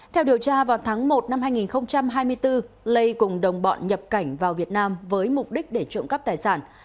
theo điều tra vào tháng một năm hai nghìn hai mươi bốn lê cùng đồng bọn nhập cảnh vào việt nam với mục đích để trộm cắp tài sản